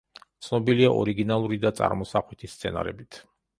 ცნობილია ორიგინალური და წარმოსახვითი სცენარებით.